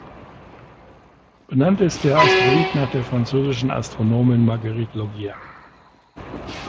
Benannt ist der Asteroid nach der französischen Astronomin Marguerite Laugier.